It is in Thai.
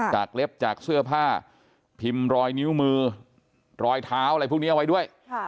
เล็บจากเสื้อผ้าพิมพ์รอยนิ้วมือรอยเท้าอะไรพวกนี้เอาไว้ด้วย